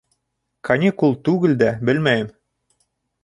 — Каникул түгел дә, белмәйем.